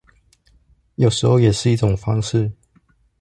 有時候也是一種方式